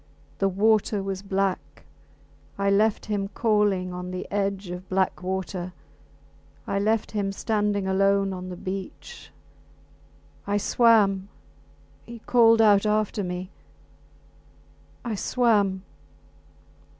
The water was black. I left him calling on the edge of black water. ... I left him standing alone on the beach. I swam ... he called out after me ... I swam